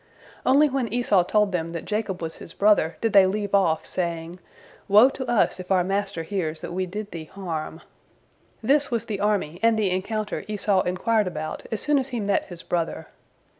Only when Esau told them that Jacob was his brother did they leave off, saying, "Woe to us if our master hears that we did thee harm." This was the army and the encounter Esau inquired about as soon as he met his brother.